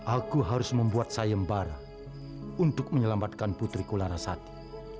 aku harus membuat sayembara untuk menyelamatkan putriku larasati